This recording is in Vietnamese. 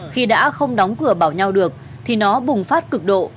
khi đã không đóng cửa bảo nhau được thì nó bùng phát cực độ